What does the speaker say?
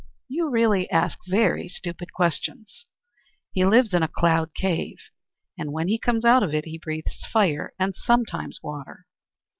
You really ask very stupid questions. He lives in a cloud cave. And when he comes out of it he breathes fire, and sometimes water.